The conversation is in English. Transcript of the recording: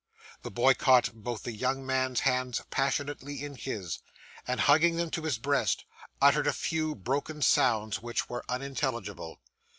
The boy caught both the young man's hands passionately in his, and, hugging them to his breast, uttered a few broken sounds which were unintelligible.